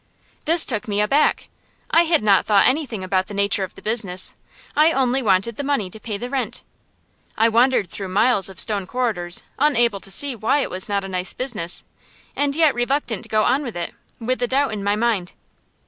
This took me aback. I had not thought anything about the nature of the business. I only wanted the money to pay the rent. I wandered through miles of stone corridors, unable to see why it was not a nice business, and yet reluctant to go on with it, with the doubt in my mind.